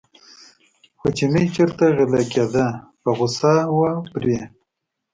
خو چینی چېرته غلی کېده په غوسه و پرې.